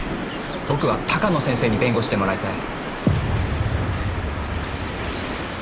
僕は鷹野先生に弁護してもらいたい。